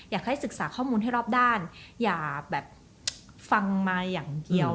อยากให้ศึกษาข้อมูลให้รอบด้านอย่าแบบฟังมาอย่างเดียว